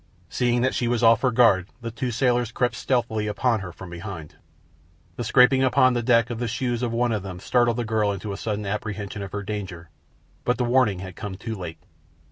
Seeing that she was off her guard, the two sailors crept stealthily upon her from behind. The scraping upon the deck of the shoes of one of them startled the girl to a sudden appreciation of her danger, but the warning had come too late.